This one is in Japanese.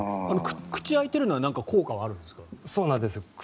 あの、口が開いているのは効果があるんですか？